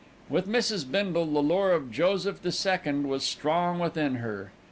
With Mrs. Bindle, the lure of Joseph the Second was strong within her.